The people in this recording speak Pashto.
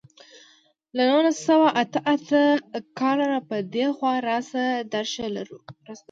له نولس سوه اته اته کال را په دېخوا راشه درشه لرو.